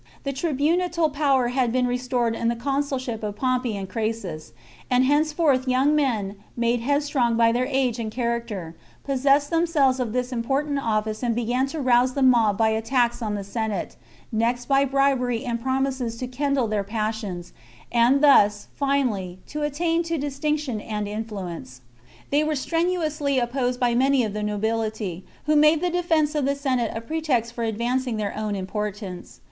The tribunitian power had XXXVIII. been restored in the consulship of Pompey and Crassus, and henceforth young men, made headstrong by their age and character, possessed themselves of this important office and began to rouse the mob by attacks on the Senate, next by bribery and promises to kindle their passions, and thus, finally, to attain to distinction and influence. They were strenuously opposed by many of the nobility, who made the de fence of the Senate a pretext for advancing their own importance.